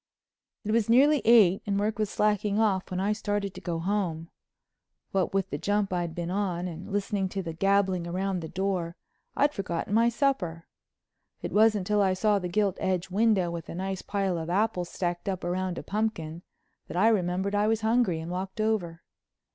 It was nearly eight and work was slacking off when I started to go home. What with the jump I'd been on and listening to the gabbing round the door I'd forgotten my supper. It wasn't till I saw the Gilt Edge window with a nice pile of apples stacked up round a pumpkin, that I remembered I was hungry and walked over.